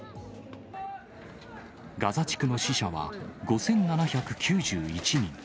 ガザ地区の死者は、５７９１人。